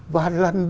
và lần đầu